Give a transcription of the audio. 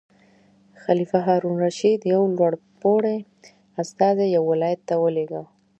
خلیفه هارون الرشید یو لوړ پوړی استازی یو ولایت ته ولېږه.